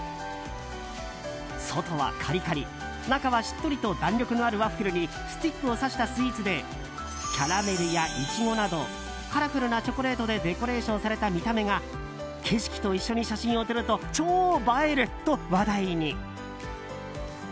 外はカリカリ、中はしっとりと弾力のあるワッフルにスティックを刺したスイーツでキャラメルやイチゴなどカラフルなチョコレートでデコレーションされた見た目が景色と一緒に写真を撮ると超映えると話題に。